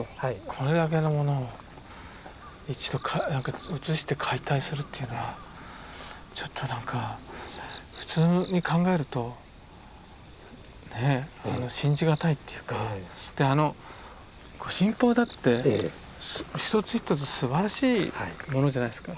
これだけのものを一度移して解体するっていうのはちょっと何か普通に考えるとねえ信じがたいっていうかであの御神宝だって一つ一つすばらしいものじゃないですか。